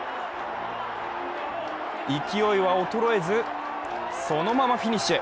勢いは衰えず、そのままフィニッシュ。